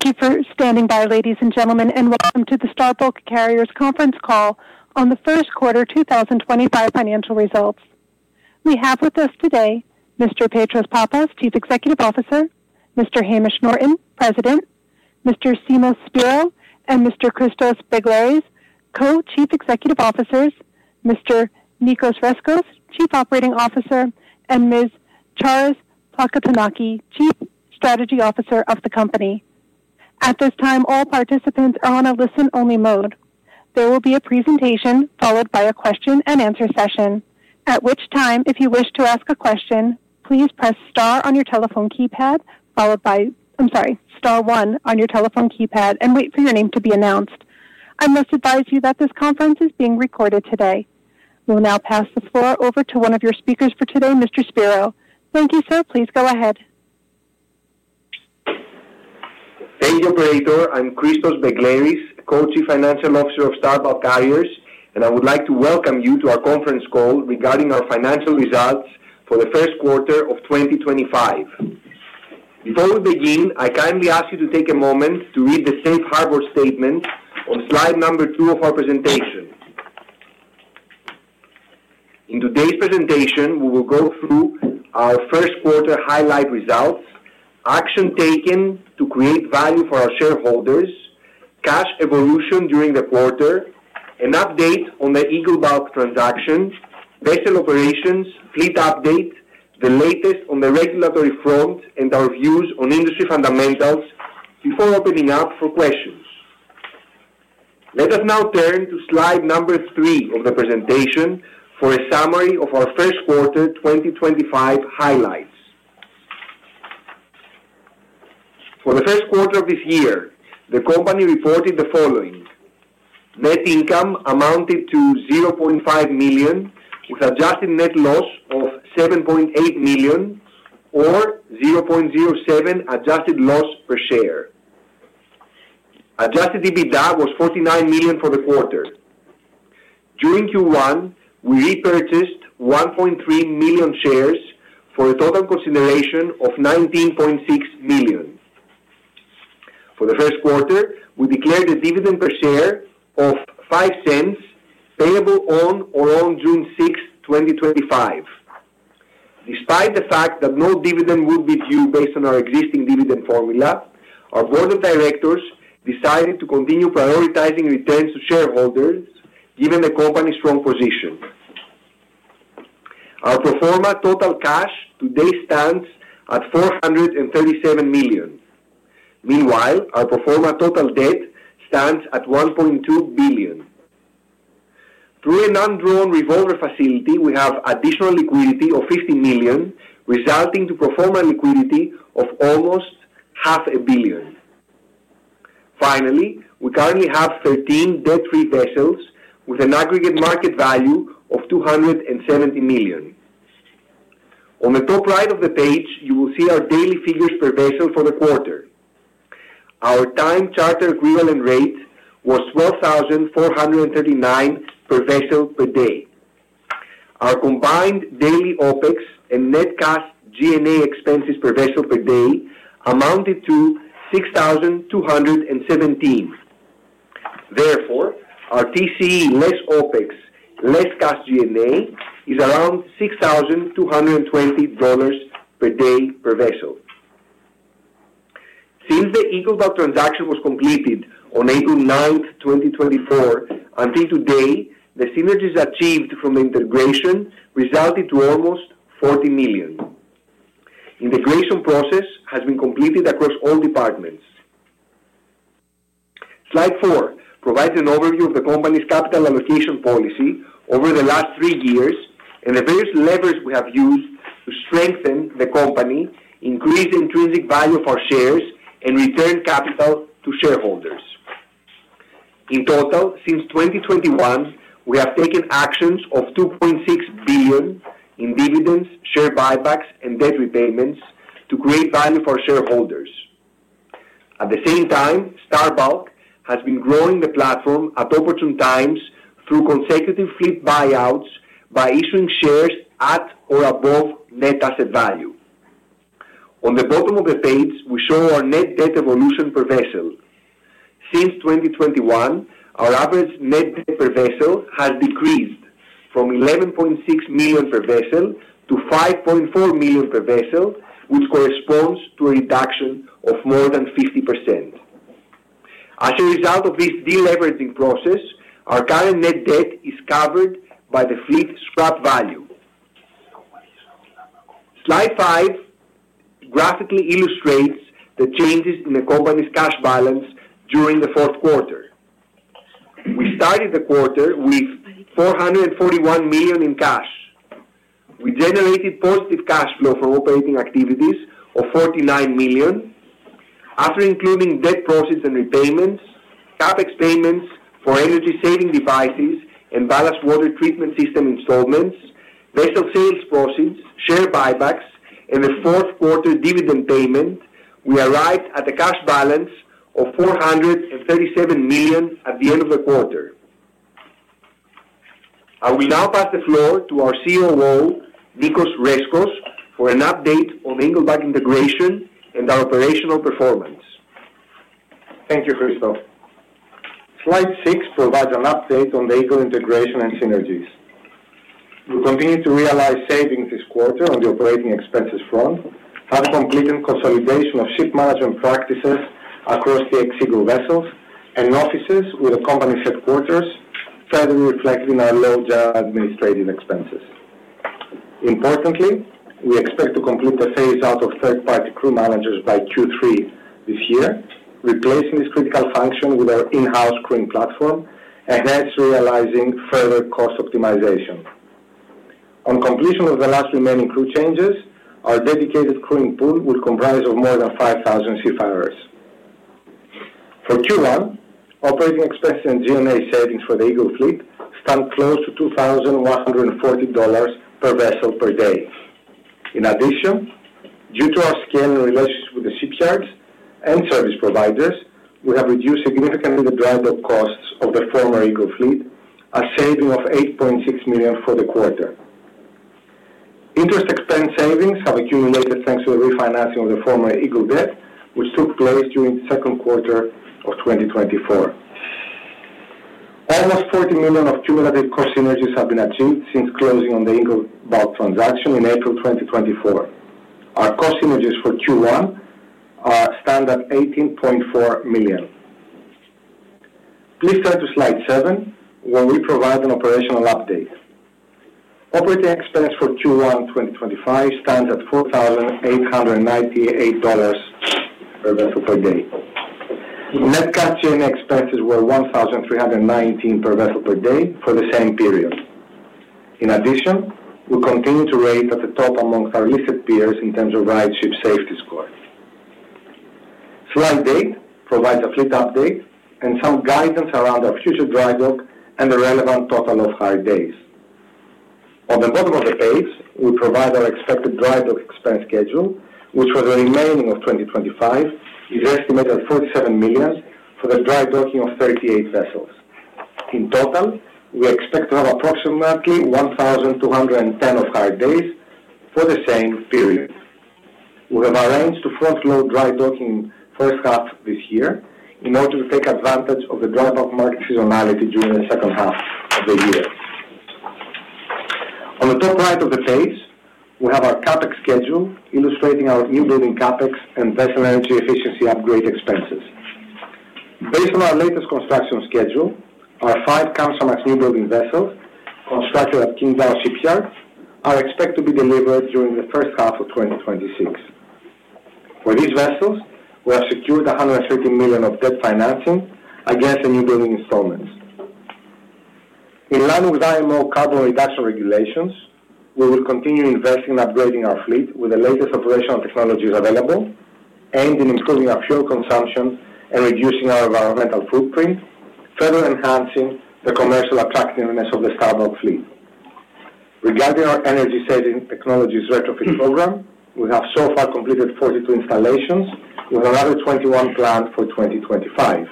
Thank you for standing by, ladies and gentlemen, and welcome to the Star Bulk Carriers Conference call on the first quarter 2025 financial results. We have with us today Mr. Petros Pappas, Chief Executive Officer; Mr. Hamish Norton, President; Mr. Simos Spyrou; and Mr. Christos Begleris, Co-Chief Financial Officer; Mr. Nicos Rescos, Chief Operating Officer; and Ms. Charis Plakantonaki, Chief Strategy Officer of the company. At this time, all participants are on a listen-only mode. There will be a presentation followed by a question-and-answer session. At which time, if you wish to ask a question, please press star on your telephone keypad, followed by, I'm sorry, star one on your telephone keypad and wait for your name to be announced. I must advise you that this conference is being recorded today. We'll now pass the floor over to one of your speakers for today, Mr. Spyrou. Thank you, sir. Please go ahead. Thank you, Operator. I'm Christos Begleris, Co-Chief Financial Officer of Star Bulk Carriers, and I would like to welcome you to our conference call regarding our financial results for the first quarter of 2025. Before we begin, I kindly ask you to take a moment to read the Safe Harbor Statement on slide number two of our presentation. In today's presentation, we will go through our first quarter highlight results, action taken to create value for our shareholders, cash evolution during the quarter, an update on the Eagle Bulk transaction, vessel operations, fleet update, the latest on the regulatory front, and our views on industry fundamentals before opening up for questions. Let us now turn to slide number three of the presentation for a summary of our first quarter 2025 highlights. For the first quarter of this year, the company reported the following: net income amounted to $500,000, with adjusted net loss of $7.8 million or $0.07 adjusted loss per share. Adjusted EBITDA was $49 million for the quarter. During Q1, we repurchased 1.3 million shares for a total consideration of $19.6 million. For the first quarter, we declared a dividend per share of $0.05, payable on or on June 6, 2025. Despite the fact that no dividend would be due based on our existing dividend formula, our board of directors decided to continue prioritizing returns to shareholders, given the company's strong position. Our proforma total cash today stands at $437 million. Meanwhile, our proforma total debt stands at $1.2 billion. Through an undrawn revolver facility, we have additional liquidity of $50 million, resulting in proforma liquidity of almost half a billion. Finally, we currently have 13 debt-free vessels with an aggregate market value of $270 million. On the top right of the page, you will see our daily figures per vessel for the quarter. Our time-charter equivalent rate was $12,439 per vessel per day. Our combined daily OPEX and net cash G&A expenses per vessel per day amounted to $6,217. Therefore, our TCE less OPEX, less cash G&A is around $6,220 per day per vessel. Since the Eagle Bulk transaction was completed on April 9, 2024, until today, the synergies achieved from the integration resulted in almost $40 million. The integration process has been completed across all departments. Slide four provides an overview of the company's capital allocation policy over the last three years and the various levers we have used to strengthen the company, increase the intrinsic value of our shares, and return capital to shareholders. In total, since 2021, we have taken actions of $2.6 billion in dividends, share buybacks, and debt repayments to create value for shareholders. At the same time, Star Bulk has been growing the platform at opportune times through consecutive fleet buyouts by issuing shares at or above net asset value. On the bottom of the page, we show our net debt evolution per vessel. Since 2021, our average net debt per vessel has decreased from $11.6 million per vessel to $5.4 million per vessel, which corresponds to a reduction of more than 50%. As a result of this deleveraging process, our current net debt is covered by the fleet scrap value. Slide five graphically illustrates the changes in the company's cash balance during the fourth quarter. We started the quarter with $441 million in cash. We generated positive cash flow from operating activities of $49 million. After including debt proceeds and repayments, CapEx payments for energy-saving devices and ballast water treatment system installments, vessel sales proceeds, share buybacks, and the fourth quarter dividend payment, we arrived at a cash balance of $437 million at the end of the quarter. I will now pass the floor to our COO, Nicos Rescos, for an update on Eagle Bulk integration and our operational performance. Thank you, Christos. Slide six provides an update on the Eagle integration and synergies. We continue to realize savings this quarter on the operating expenses front, have a complete consolidation of ship management practices across the Eagle vessels and offices with the company's headquarters, further reflecting our low-G&A administrative expenses. Importantly, we expect to complete the phase-out of third-party crew managers by Q3 this year, replacing this critical function with our in-house crewing platform and hence realizing further cost optimization. On completion of the last remaining crew changes, our dedicated crewing pool will comprise more than 5,000 seafarers. For Q1, operating expenses and G&A savings for the Eagle fleet stand close to $2,140 per vessel per day. In addition, due to our scaling relationship with the shipyards and service providers, we have reduced significantly the dry dock costs of the former Eagle fleet, a saving of $8.6 million for the quarter. Interest expense savings have accumulated thanks to the refinancing of the former Eagle debt, which took place during the second quarter of 2024. Almost $40 million of cumulative cost synergies have been achieved since closing on the Eagle Bulk transaction in April 2024. Our cost synergies for Q1 stand at $18.4 million. Please turn to slide seven where we provide an operational update. Operating expense for Q1 2025 stands at $4,898 per vessel per day. Net cash G&A expenses were $1,319 per vessel per day for the same period. In addition, we continue to rate at the top amongst our listed peers in terms of rideship safety score. Slide eight provides a fleet update and some guidance around our future dry dock and the relevant total off-hire days. On the bottom of the page, we provide our expected dry dock expense schedule, which for the remainder of 2025 is estimated at $47 million for the dry docking of 38 vessels. In total, we expect to have approximately 1,210 off-hire days for the same period. We have arranged to front-load dry docking in the first half of this year in order to take advantage of the dry dock market seasonality during the second half of the year. On the top right of the page, we have our CapEx schedule illustrating our newbuilding CapEx and vessel energy efficiency upgrade expenses. Based on our latest construction schedule, our five Kamsarmax newbuilding vessels constructed at Qingdao Shipyard are expected to be delivered during the first half of 2026. For these vessels, we have secured $130 million of debt financing against the newbuilding installments. In line with IMO carbon reduction regulations, we will continue investing and upgrading our fleet with the latest operational technologies available, aimed at improving our fuel consumption and reducing our environmental footprint, further enhancing the commercial attractiveness of the Star Bulk fleet. Regarding our energy saving technologies retrofit program, we have so far completed 42 installations with another 21 planned for 2025.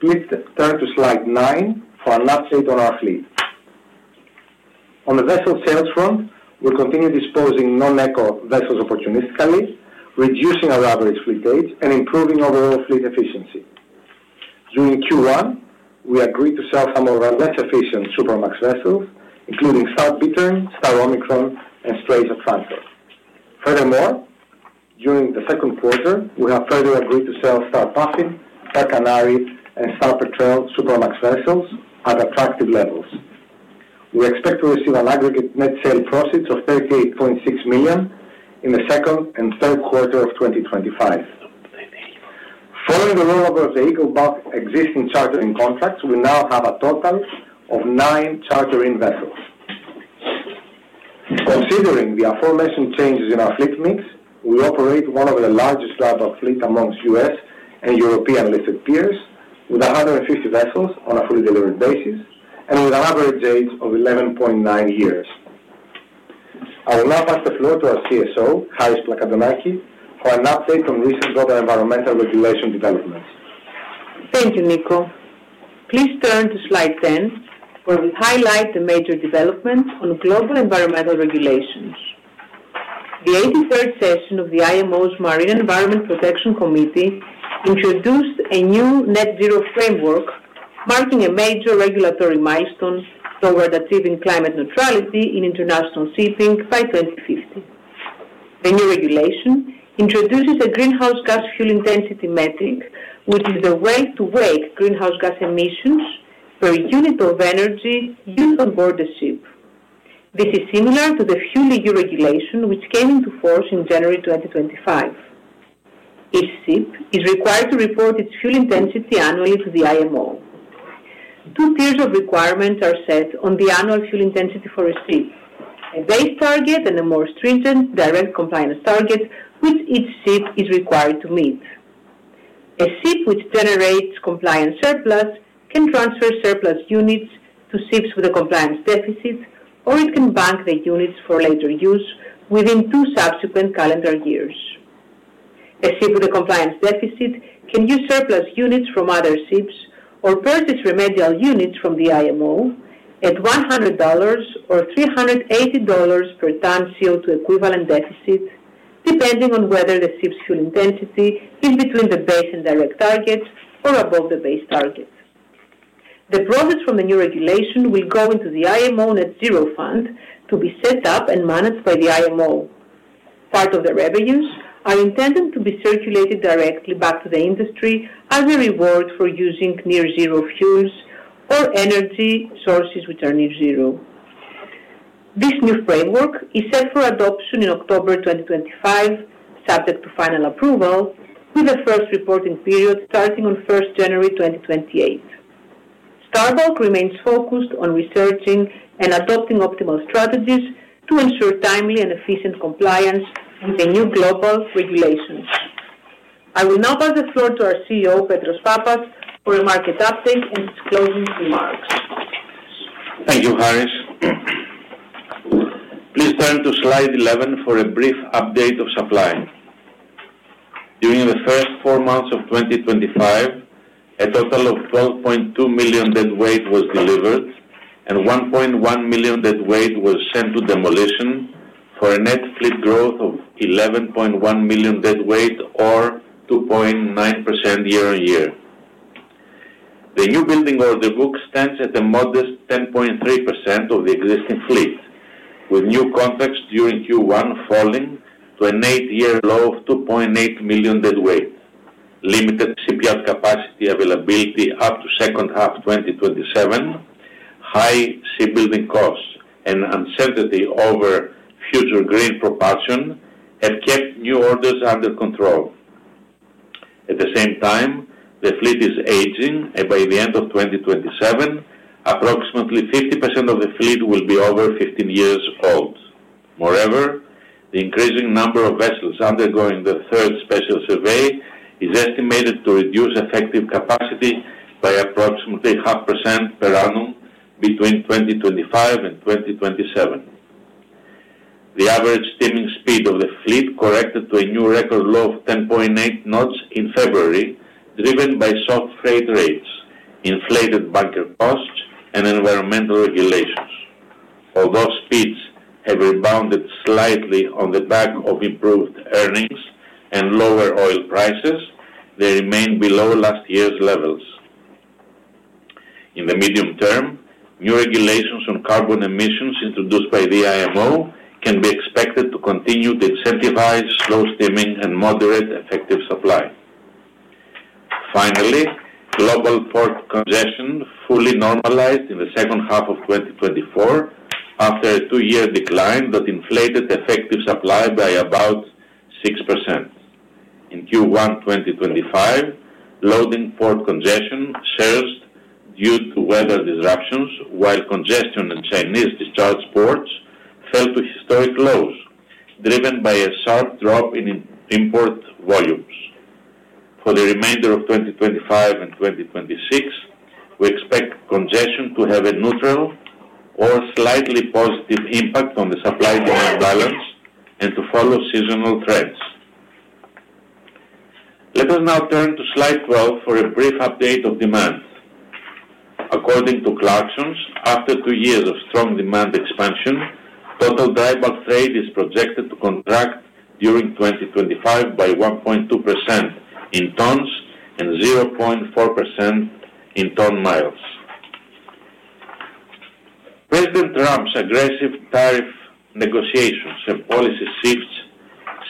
Please turn to slide nine for an update on our fleet. On the vessel sales front, we continue disposing non-eco vessels opportunistically, reducing our average fleet gauge and improving overall fleet efficiency. During Q1, we agreed to sell some of our less efficient Supramax vessels, including Star Bittern, Star Omicron, and Star Atlantic. Furthermore, during the second quarter, we have further agreed to sell Star Puffin, Star Canary, and Star Petrel Supramax vessels at attractive levels. We expect to receive an aggregate net sale proceeds of $38.6 million in the second and third quarter of 2025. Following the rollover of the Eagle Bulk existing chartering contracts, we now have a total of nine chartering vessels. Considering the aforementioned changes in our fleet mix, we operate one of the largest dry bulk fleets amongst U.S. and European listed peers, with 150 vessels on a fully delivered basis and with an average age of 11.9 years. I will now pass the floor to our CSO, Charis Plakantonaki, for an update on recent global environmental regulation developments. Thank you, Nico. Please turn to slide ten, where we highlight the major developments on global environmental regulations. The 83rd session of the IMO's Marine Environment Protection Committee introduced a new net-zero framework, marking a major regulatory milestone toward achieving climate neutrality in international shipping by 2050. The new regulation introduces a greenhouse gas fuel intensity metric, which is the way to weigh greenhouse gas emissions per unit of energy used on board the ship. This is similar to the fuel EU regulation, which came into force in January 2025. Each ship is required to report its fuel intensity annually to the IMO. Two tiers of requirement are set on the annual fuel intensity for a ship: a base target and a more stringent direct compliance target, which each ship is required to meet. A ship which generates compliance surplus can transfer surplus units to ships with a compliance deficit, or it can bank the units for later use within two subsequent calendar years. A ship with a compliance deficit can use surplus units from other ships or purchase remedial units from the IMO at $100 or $380 per ton CO2 equivalent deficit, depending on whether the ship's fuel intensity is between the base and direct target or above the base target. The profits from the new regulation will go into the IMO net-zero fund to be set up and managed by the IMO. Part of the revenues are intended to be circulated directly back to the industry as a reward for using near-zero fuels or energy sources which are near-zero. This new framework is set for adoption in October 2025, subject to final approval, with a first reporting period starting on 1 January 2028. Star Bulk remains focused on researching and adopting optimal strategies to ensure timely and efficient compliance with the new global regulations. I will now pass the floor to our CEO, Petros Pappas, for a market update and disclosing remarks. Thank you, Harish. Please turn to slide 11 for a brief update of supply. During the first four months of 2025, a total of 12.2 million deadweight was delivered and 1.1 million deadweight was sent to demolition for a net fleet growth of 11.1 million deadweight, or 2.9% year on year. The new building order book stands at a modest 10.3% of the existing fleet, with new contracts during Q1 falling to an eight-year low of 2.8 million deadweight. Limited shipyard capacity availability up to second half 2027, high sea building costs, and uncertainty over future green propulsion have kept new orders under control. At the same time, the fleet is aging, and by the end of 2027, approximately 50% of the fleet will be over 15 years old. Moreover, the increasing number of vessels undergoing the third special survey is estimated to reduce effective capacity by approximately 0.5% per annum between 2025 and 2027. The average steaming speed of the fleet corrected to a new record low of 10.8 knots in February, driven by soft freight rates, inflated bunker costs, and environmental regulations. Although speeds have rebounded slightly on the back of improved earnings and lower oil prices, they remain below last year's levels. In the medium term, new regulations on carbon emissions introduced by the IMO can be expected to continue to incentivize slow steaming and moderate effective supply. Finally, global port congestion fully normalized in the second half of 2024 after a two-year decline that inflated effective supply by about 6%. In Q1 2025, loading port congestion surged due to weather disruptions, while congestion in Chinese discharge ports fell to historic lows, driven by a sharp drop in import volumes. For the remainder of 2025 and 2026, we expect congestion to have a neutral or slightly positive impact on the supply-demand balance and to follow seasonal trends. Let us now turn to slide 12 for a brief update of demand. According to Clarksons, after two years of strong demand expansion, total dry bulk trade is projected to contract during 2025 by 1.2% in tons and 0.4% in ton miles. President Trump's aggressive tariff negotiations and policy shifts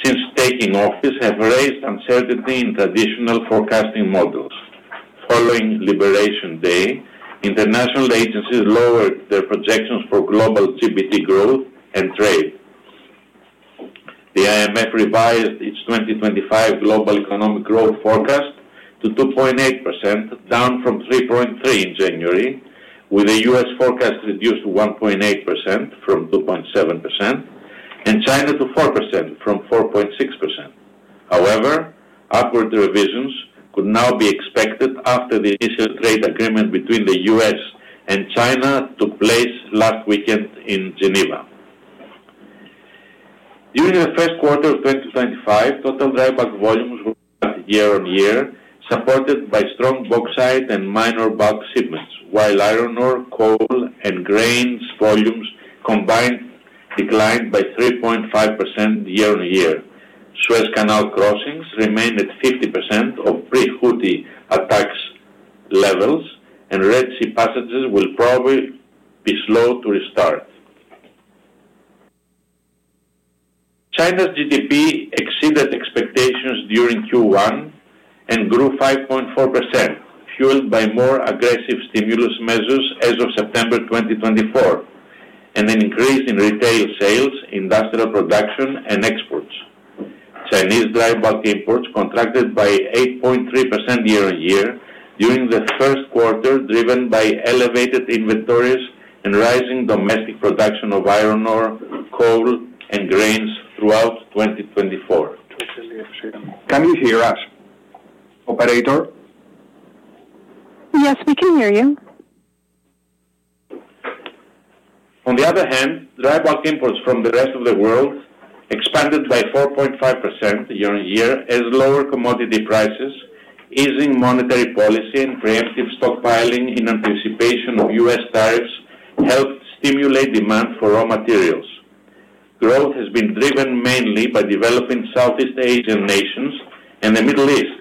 since taking office have raised uncertainty in traditional forecasting models. Following Liberation Day, international agencies lowered their projections for global GDP growth and trade. The IMF revised its 2025 global economic growth forecast to 2.8%, down from 3.3% in January, with the U.S. forecast reduced to 1.8% from 2.7% and China to 4% from 4.6%. However, upward revisions could now be expected after the initial trade agreement between the U.S. and China took place last weekend in Geneva. During the first quarter of 2025, total dry bulk volumes were year on year, supported by strong bauxite and minor bulk shipments, while iron ore, coal, and grains volumes combined declined by 3.5% year on year. Suez Canal crossings remain at 50% of pre-Houthi attacks levels, and Red Sea passages will probably be slow to restart. China's GDP exceeded expectations during Q1 and grew 5.4%, fueled by more aggressive stimulus measures as of September 2024 and an increase in retail sales, industrial production, and exports. Chinese dry bulk imports contracted by 8.3% year on year during the first quarter, driven by elevated inventories and rising domestic production of iron ore, coal, and grains throughout 2024. Can you hear us, operator? Yes, we can hear you. On the other hand, dry bulk imports from the rest of the world expanded by 4.5% year on year as lower commodity prices, easing monetary policy, and preemptive stockpiling in anticipation of U.S. tariffs helped stimulate demand for raw materials. Growth has been driven mainly by developing Southeast Asian nations and the Middle East,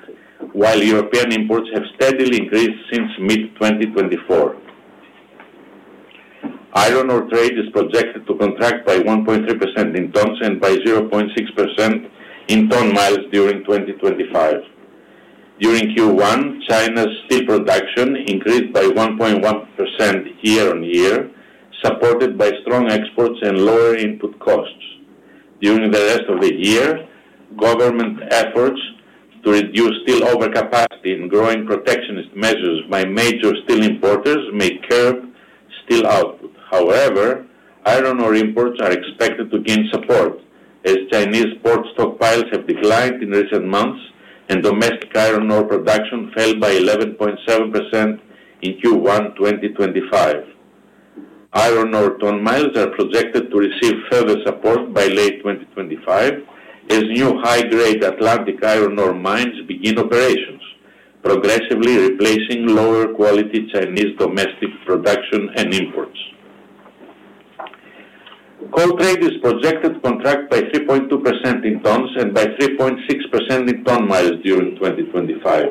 while European imports have steadily increased since mid-2024. Iron ore trade is projected to contract by 1.3% in tons and by 0.6% in ton miles during 2025. During Q1, China's steel production increased by 1.1% year on year, supported by strong exports and lower input costs. During the rest of the year, government efforts to reduce steel overcapacity and growing protectionist measures by major steel importers may curb steel output. However, iron ore imports are expected to gain support as Chinese port stockpiles have declined in recent months and domestic iron ore production fell by 11.7% in Q1 2025. Iron ore ton miles are projected to receive further support by late 2025 as new high-grade Atlantic iron ore mines begin operations, progressively replacing lower quality Chinese domestic production and imports. Coal trade is projected to contract by 3.2% in tons and by 3.6% in ton miles during 2025.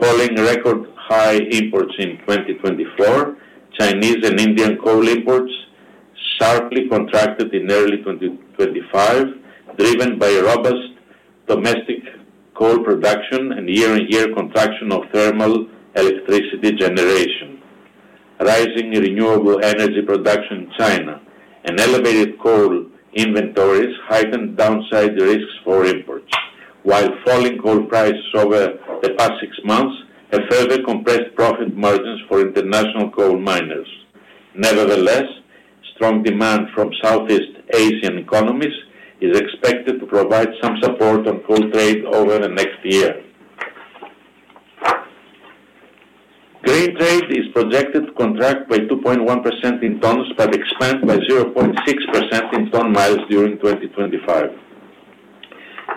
Following record high imports in 2024, Chinese and Indian coal imports sharply contracted in early 2025, driven by robust domestic coal production and year-on-year contraction of thermal electricity generation. Rising renewable energy production in China and elevated coal inventories heightened downside risks for imports. Falling coal prices over the past six months have further compressed profit margins for international coal miners. Nevertheless, strong demand from Southeast Asian economies is expected to provide some support on coal trade over the next year. Grain trade is projected to contract by 2.1% in tons but expand by 0.6% in ton miles during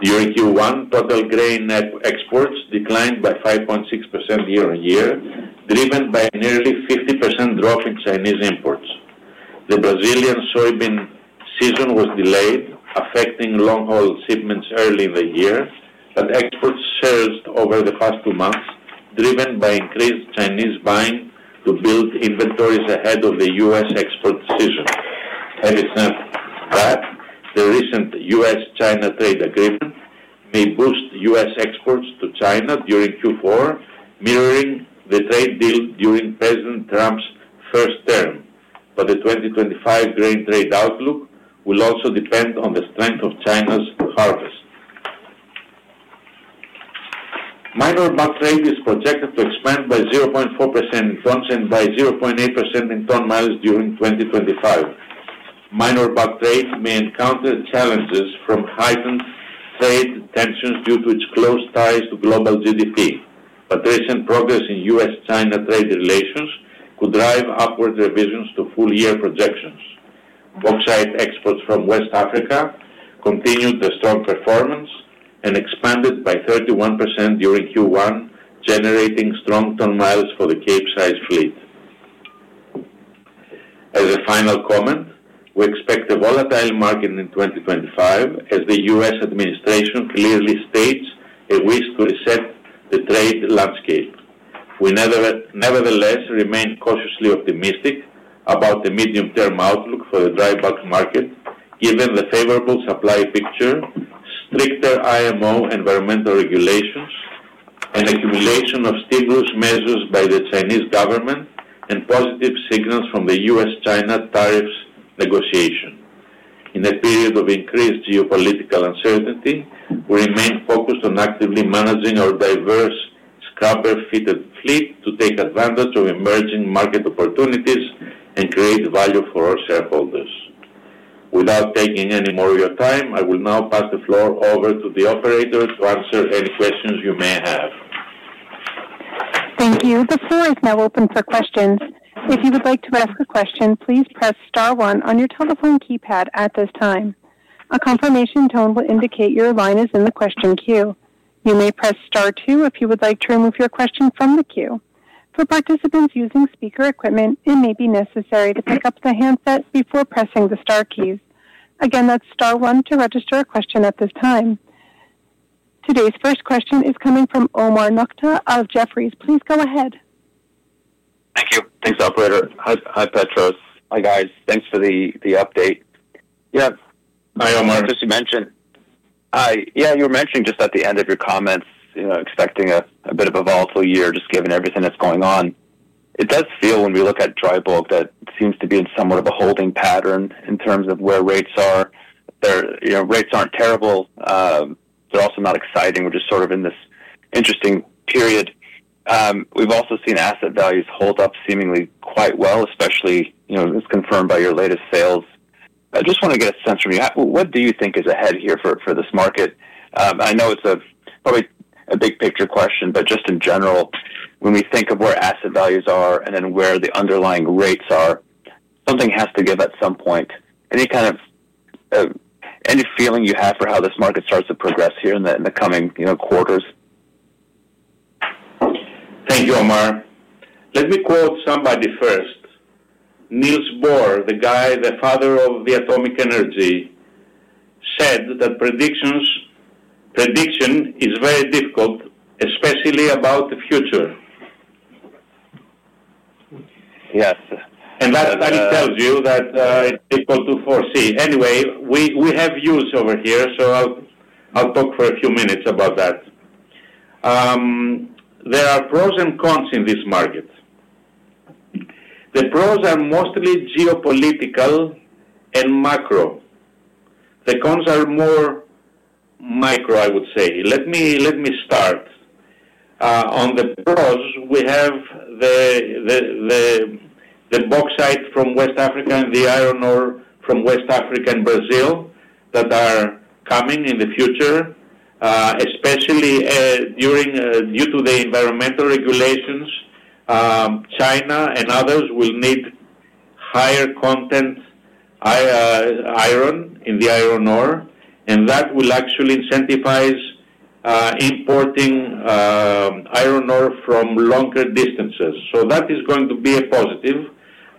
2025. During Q1, total grain exports declined by 5.6% year on year, driven by a nearly 50% drop in Chinese imports. The Brazilian soybean season was delayed, affecting long-haul shipments early in the year, but exports surged over the past two months, driven by increased Chinese buying to build inventories ahead of the U.S. export season. Having said that, the recent U.S.-China trade agreement may boost U.S. exports to China during Q4, mirroring the trade deal during President Trump's first term. The 2025 grain trade outlook will also depend on the strength of China's harvest. Minor bulk trade is projected to expand by 0.4% in tons and by 0.8% in ton miles during 2025. Minor bulk trade may encounter challenges from heightened trade tensions due to its close ties to global GDP, but recent progress in U.S.-China trade relations could drive upward revisions to full-year projections. Bauxite exports from West Africa continued the strong performance and expanded by 31% during Q1, generating strong ton miles for the cape-sized fleet. As a final comment, we expect a volatile market in 2025, as the U.S. administration clearly states a wish to reset the trade landscape. We nevertheless remain cautiously optimistic about the medium-term outlook for the dry bulk market, given the favorable supply picture, stricter IMO environmental regulations, an accumulation of stimulus measures by the Chinese government, and positive signals from the U.S.-China tariffs negotiation. In a period of increased geopolitical uncertainty, we remain focused on actively managing our diverse scrubber-fitted fleet to take advantage of emerging market opportunities and create value for our shareholders. Without taking any more of your time, I will now pass the floor over to the operator to answer any questions you may have. Thank you. The floor is now open for questions. If you would like to ask a question, please press Star 1 on your telephone keypad at this time. A confirmation tone will indicate your line is in the question queue. You may press Star 2 if you would like to remove your question from the queue. For participants using speaker equipment, it may be necessary to pick up the handset before pressing the Star keys. Again, that's Star 1 to register a question at this time. Today's first question is coming from Omar Nokta of Jefferies. Please go ahead. Thank you. Thanks, operator. Hi, Petros. Hi, guys. Thanks for the update. Yeah. Hi, Omar. Just to mention. Hi. Yeah, you were mentioning just at the end of your comments, expecting a bit of a volatile year, just given everything that's going on. It does feel, when we look at dry bulk, that it seems to be in somewhat of a holding pattern in terms of where rates are. Rates aren't terrible. They're also not exciting. We're just sort of in this interesting period. We've also seen asset values hold up seemingly quite well, especially as confirmed by your latest sales. I just want to get a sense from you. What do you think is ahead here for this market? I know it's probably a big picture question, but just in general, when we think of where asset values are and then where the underlying rates are, something has to give at some point. Any kind of any feeling you have for how this market starts to progress here in the coming quarters? Thank you, Omar. Let me quote somebody first. Nils Bohr, the guy, the father of atomic energy, said that prediction is very difficult, especially about the future. Yes. That tells you that it's difficult to foresee. Anyway, we have views over here, so I'll talk for a few minutes about that. There are pros and cons in this market. The pros are mostly geopolitical and macro. The cons are more micro, I would say. Let me start. On the pros, we have the bauxite from West Africa and the iron ore from West Africa and Brazil that are coming in the future, especially due to the environmental regulations. China and others will need higher content iron in the iron ore, and that will actually incentivize importing iron ore from longer distances. That is going to be a positive,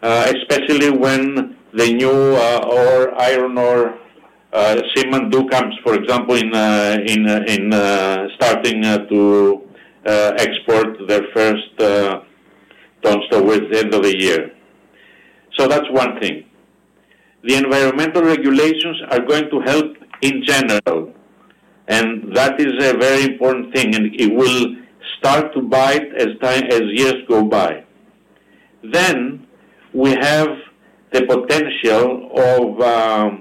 especially when the new iron ore shipments do come, for example, in starting to export their first tons towards the end of the year. That's one thing. The environmental regulations are going to help in general, and that is a very important thing, and it will start to bite as years go by. We have the potential of,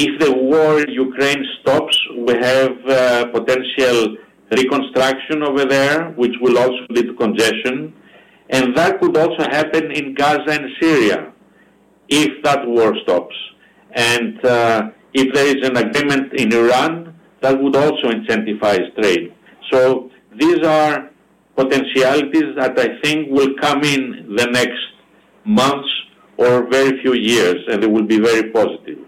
if the war in Ukraine stops, we have potential reconstruction over there, which will also lead to congestion. That could also happen in Gaza and Syria if that war stops. If there is an agreement in Iran, that would also incentivize trade. These are potentialities that I think will come in the next months or very few years, and they will be very positive.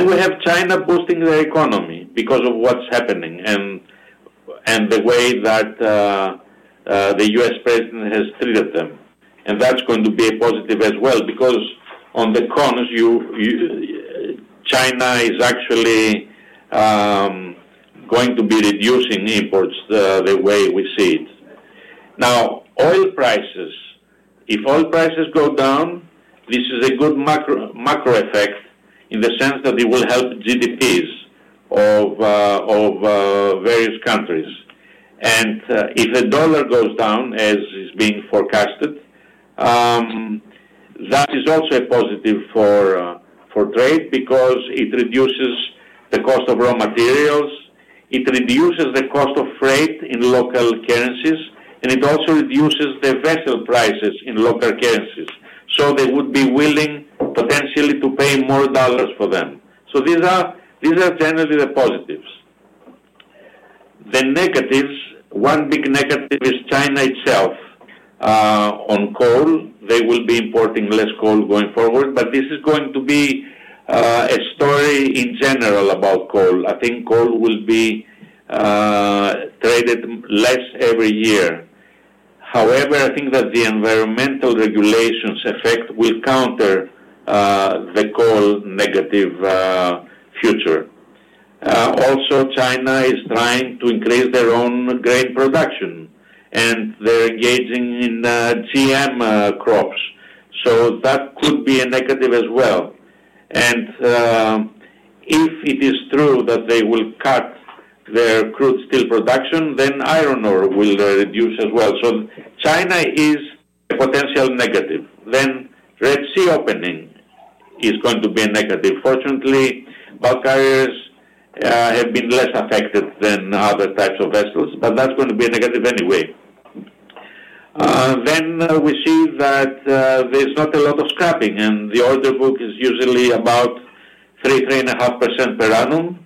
We have China boosting their economy because of what's happening and the way that the U.S. President has treated them. That's going to be a positive as well because on the cons, China is actually going to be reducing imports the way we see it. Now, oil prices, if oil prices go down, this is a good macro effect in the sense that it will help GDPs of various countries. If the dollar goes down, as is being forecasted, that is also a positive for trade because it reduces the cost of raw materials, it reduces the cost of freight in local currencies, and it also reduces the vessel prices in local currencies. They would be willing potentially to pay more dollars for them. These are generally the positives. The negatives, one big negative is China itself on coal. They will be importing less coal going forward, but this is going to be a story in general about coal. I think coal will be traded less every year. However, I think that the environmental regulations effect will counter the coal negative future. Also, China is trying to increase their own grain production, and they're engaging in GM crops. That could be a negative as well. If it is true that they will cut their crude steel production, then iron ore will reduce as well. China is a potential negative. The Red Sea opening is going to be a negative. Fortunately, bulk carriers have been less affected than other types of vessels, but that's going to be a negative anyway. We see that there's not a lot of scrapping, and the order book is usually about 3%-3.5% per annum,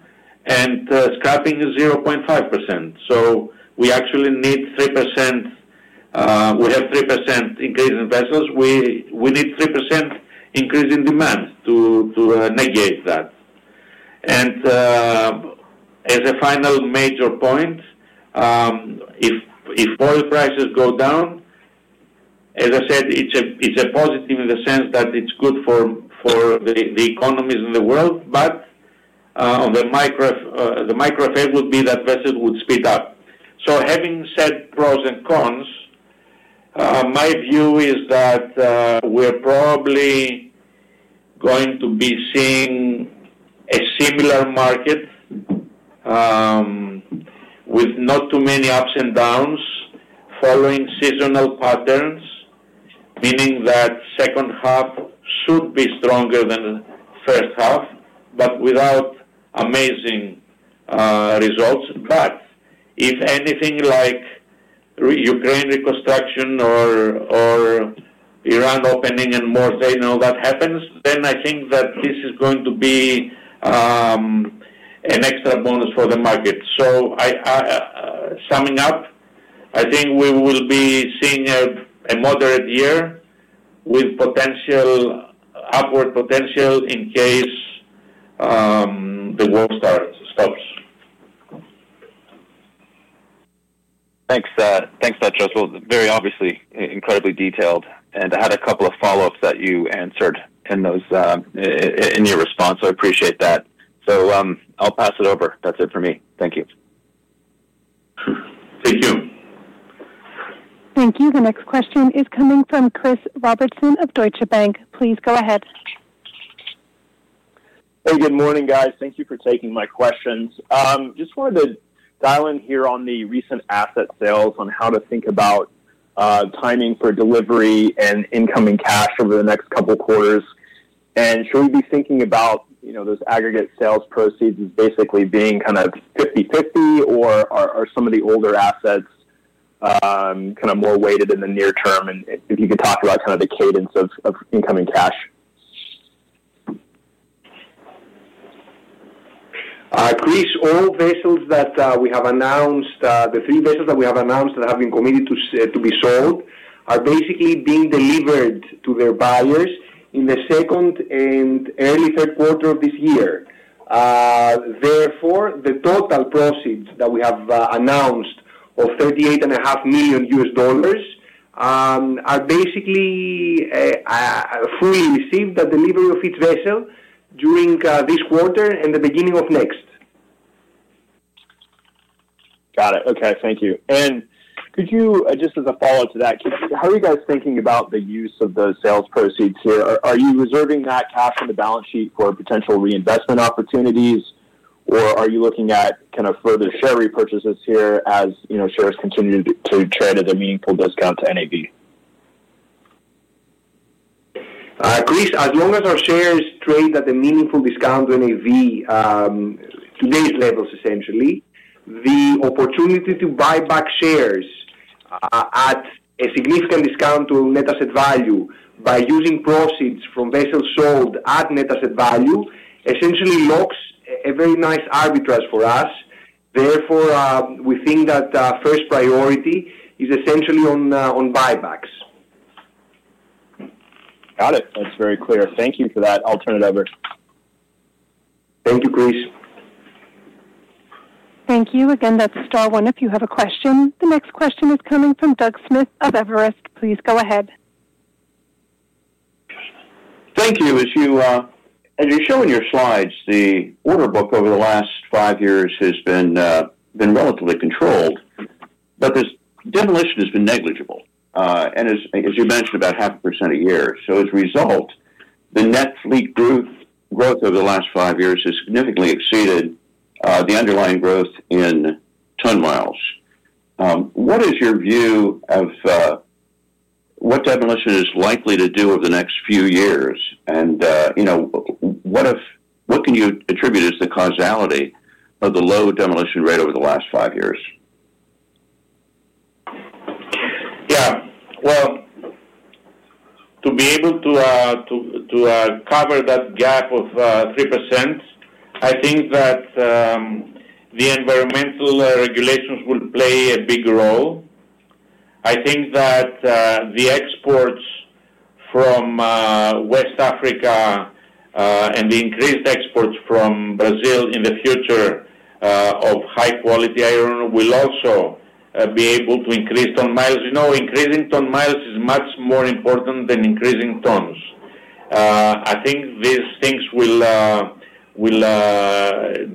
and scrapping is 0.5%. We actually need 3%. We have 3% increase in vessels. We need 3% increase in demand to negate that. As a final major point, if oil prices go down, as I said, it is a positive in the sense that it is good for the economies in the world, but the micro effect would be that vessels would speed up. Having said pros and cons, my view is that we are probably going to be seeing a similar market with not too many ups and downs following seasonal patterns, meaning that second half should be stronger than first half, but without amazing results. If anything, like Ukraine reconstruction or Iran opening and more, saying all that happens, then I think that this is going to be an extra bonus for the market. Summing up, I think we will be seeing a moderate year with upward potential in case the war stops. Thanks, Petros. Obviously incredibly detailed. I had a couple of follow-ups that you answered in your response. I appreciate that. I'll pass it over. That's it for me. Thank you. Thank you. Thank you. The next question is coming from Chris Robertson of Deutsche Bank. Please go ahead. Hey, good morning, guys. Thank you for taking my questions. Just wanted to dial in here on the recent asset sales, on how to think about timing for delivery and incoming cash over the next couple of quarters. Should we be thinking about those aggregate sales proceeds as basically being kind of 50/50, or are some of the older assets kind of more weighted in the near term? If you could talk about kind of the cadence of incoming cash. Chris, all vessels that we have announced, the three vessels that we have announced that have been committed to be sold are basically being delivered to their buyers in the second and early third quarter of this year. Therefore, the total proceeds that we have announced of $38.5 million are basically fully received at delivery of each vessel during this quarter and the beginning of next. Got it. Okay. Thank you. Just as a follow-up to that, how are you guys thinking about the use of the sales proceeds here? Are you reserving that cash on the balance sheet for potential reinvestment opportunities, or are you looking at kind of further share repurchases here as shares continue to trade at a meaningful discount to NAV? Greece, as long as our shares trade at a meaningful discount to NAV, today's levels essentially, the opportunity to buy back shares at a significant discount to net asset value by using proceeds from vessels sold at net asset value essentially locks a very nice arbitrage for us. Therefore, we think that first priority is essentially on buybacks. Got it. That's very clear. Thank you for that. I'll turn it over. Thank you, Greece. Thank you. Again, that's Star One. If you have a question, the next question is coming from Doug Smith of Evercore. Please go ahead. Thank you. As you show in your slides, the order book over the last five years has been relatively controlled, but this demolition has been negligible, and as you mentioned, about 0.5% a year. As a result, the net fleet growth over the last five years has significantly exceeded the underlying growth in ton miles. What is your view of what demolition is likely to do over the next few years? What can you attribute as the causality of the low demolition rate over the last five years? Yeah. To be able to cover that gap of 3%, I think that the environmental regulations will play a big role. I think that the exports from West Africa and the increased exports from Brazil in the future of high-quality iron will also be able to increase ton miles. Increasing ton miles is much more important than increasing tons. I think these things will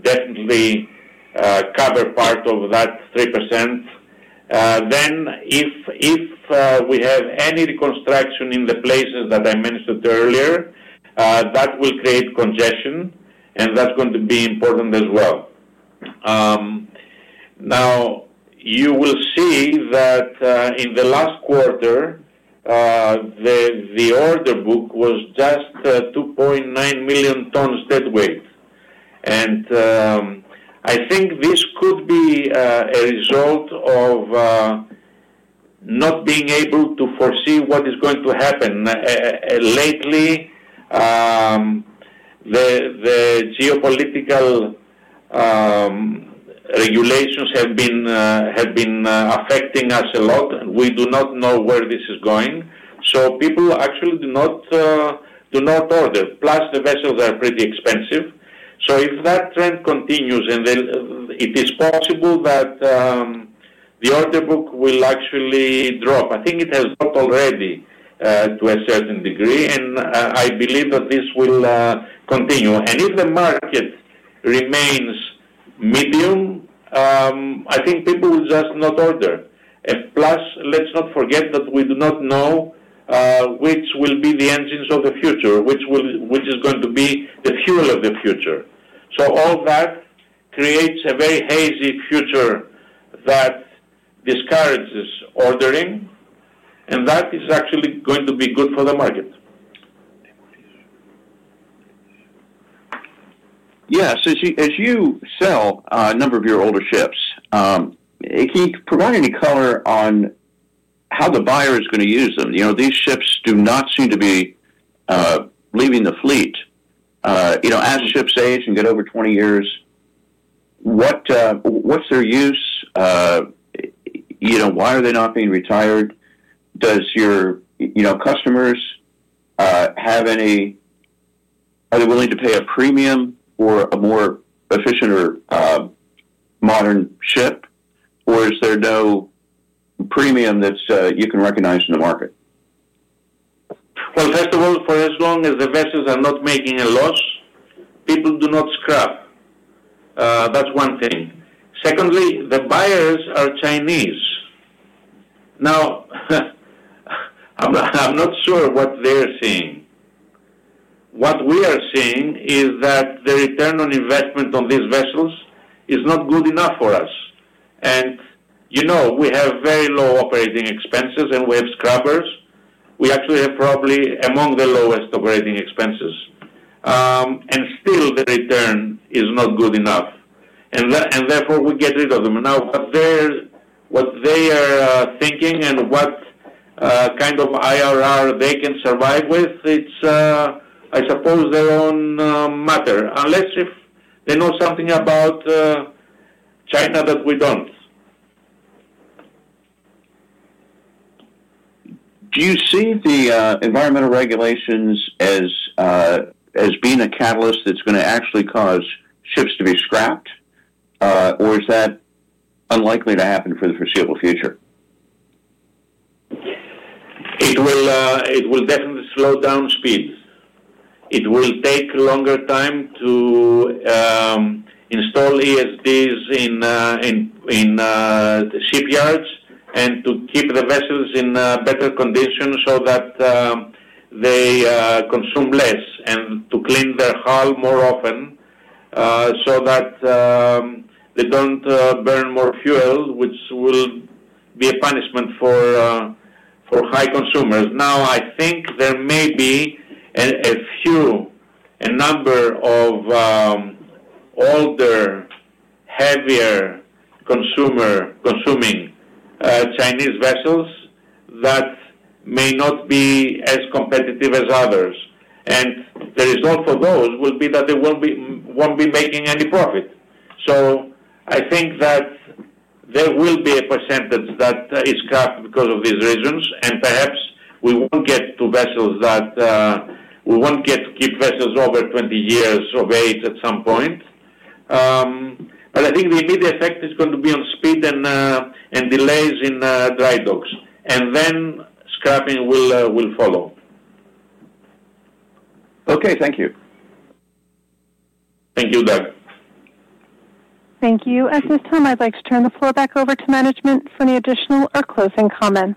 definitely cover part of that 3%. If we have any reconstruction in the places that I mentioned earlier, that will create congestion, and that's going to be important as well. You will see that in the last quarter, the order book was just 2.9 million tons deadweight. I think this could be a result of not being able to foresee what is going to happen. Lately, the geopolitical regulations have been affecting us a lot. We do not know where this is going. People actually do not order. Plus, the vessels are pretty expensive. If that trend continues, it is possible that the order book will actually drop. I think it has dropped already to a certain degree, and I believe that this will continue. If the market remains medium, I think people will just not order. Let's not forget that we do not know which will be the engines of the future, which is going to be the fuel of the future. All that creates a very hazy future that discourages ordering, and that is actually going to be good for the market. Yeah. As you sell a number of your older ships, can you provide any color on how the buyer is going to use them? These ships do not seem to be leaving the fleet. As ships age and get over 20 years, what's their use? Why are they not being retired? Do your customers have any—are they willing to pay a premium for a more efficient or modern ship, or is there no premium that you can recognize in the market? First of all, for as long as the vessels are not making a loss, people do not scrap. That is one thing. Secondly, the buyers are Chinese. Now, I am not sure what they are seeing. What we are seeing is that the return on investment on these vessels is not good enough for us. We have very low operating expenses, and we have scrubbers. We actually have probably among the lowest operating expenses. Still, the return is not good enough. Therefore, we get rid of them. What they are thinking and what kind of IRR they can survive with, it is, I suppose, their own matter, unless they know something about China that we do not. Do you see the environmental regulations as being a catalyst that's going to actually cause ships to be scrapped, or is that unlikely to happen for the foreseeable future? It will definitely slow down speeds. It will take longer time to install ESDs in shipyards and to keep the vessels in better condition so that they consume less and to clean their hull more often so that they do not burn more fuel, which will be a punishment for high consumers. Now, I think there may be a number of older, heavier consuming Chinese vessels that may not be as competitive as others. The result for those will be that they will not be making any profit. I think that there will be a percentage that is scrapped because of these reasons. Perhaps we will not get to keep vessels over 20 years of age at some point. I think the immediate effect is going to be on speed and delays in dry docks. Scrapping will follow. Okay. Thank you. Thank you, Doug. Thank you. At this time, I'd like to turn the floor back over to management for any additional or closing comments.